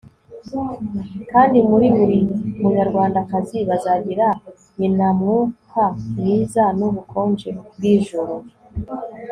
kandi muri buri munyarwandakazi bazagira nyinamwuka mwiza nubukonje bwijoro